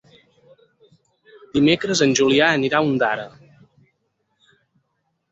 Dimecres en Julià anirà a Ondara.